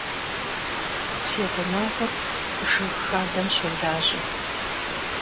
Си гъунэгъур жыг хадэм щолажьэ.